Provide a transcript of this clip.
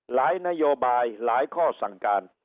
นโยบายหลายข้อสั่งการ